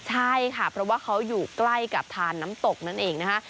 ใช่ค่ะเพราะว่าเขาอยู่ใกล้กับทานน้ำตกนั่นเองนะคะ